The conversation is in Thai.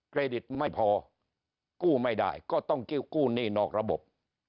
เครดิตไม่พอกู้ไม่ได้ก็ต้องกู้หนี้นอกระบบ